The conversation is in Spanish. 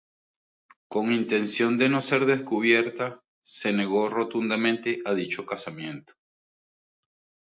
Con intención de no ser descubierta, se negó rotundamente a dicho casamiento.